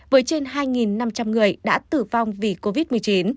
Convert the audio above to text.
với trên hai năm trăm linh người đã tử vong vì covid một mươi chín